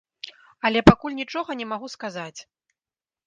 Але пакуль нічога не магу сказаць.